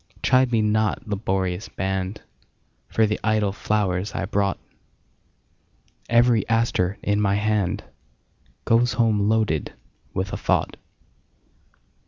Chide me not, laborious band, For the idle flowers I brought; Every aster in my handGoes home loaded with a thought.